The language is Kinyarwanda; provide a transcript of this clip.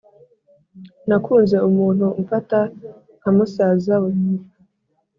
nakunze umuntu umfata nkamusaza we